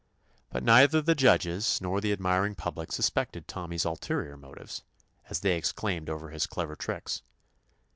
But neither the judges nor the admiring public sus pected Tommy's ulterior motives, as they exclaimed over his clever tricks.